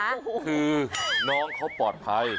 คือน้องเขาปลอดภัย